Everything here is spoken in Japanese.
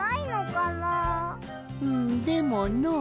うんでものう。